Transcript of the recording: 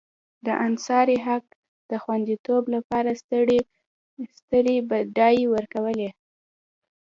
د انحصاري حق د خوندیتوب لپاره سترې بډې ورکولې.